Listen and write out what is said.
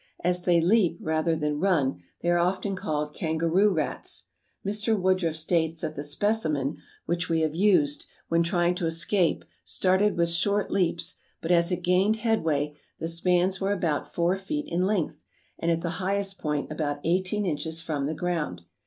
As they leap rather than run, they are often called Kangaroo Rats. Mr. Woodruff states that the specimen, which we have used, when trying to escape started with short leaps, but as it gained headway the spans were about four feet in length and at the highest point about eighteen inches from the ground.